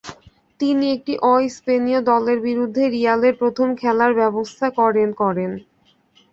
তিনি একটি অ-স্পেনীয় দলের বিরুদ্ধে রিয়ালের প্রথম খেলার ব্যবস্থা করেন করেন।